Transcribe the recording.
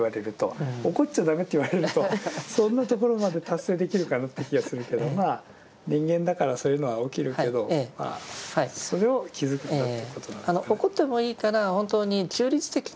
起こっちゃ駄目って言われるとそんなところまで達成できるかなって気がするけど人間だからそういうのは起きるけどそれを気づくんだっていうことなんですかね。